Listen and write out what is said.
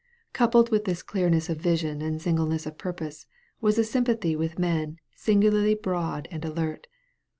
Coupled with this clearness of vision and singleness of purpose was a sympathy with men singularly broad and alert.